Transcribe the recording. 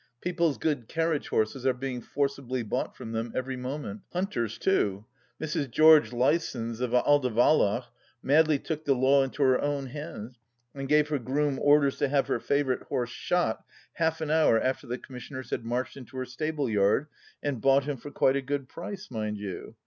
People's good carriage horses are being forcibly bought from them every moment — hunters, too. Mrs. George Lysons of Aldivalloch madly took the law into her own hands, and gave her groom orders to have her favourite horse shot half an hour after the commisioners had marched into her stable yard, and bought him for quite a good price, mind you